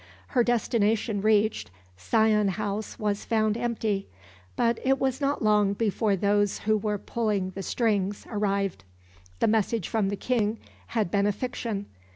Her destination reached, Sion House was found empty; but it was not long before those who were pulling the strings arrived. The message from the King had been a fiction.